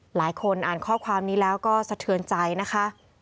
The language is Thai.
หลายคนอ่านข้อความนี้แล้วก็สะเทือนใจนะคะ